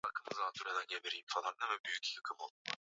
kwa mfano kondo au mfuko wa mimba